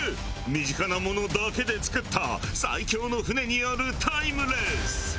身近なものだけで作った最強の舟によるタイムレース！